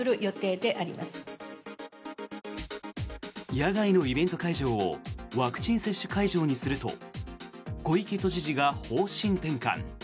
野外のイベント会場をワクチン接種会場にすると小池都知事が方針転換。